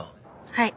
はい。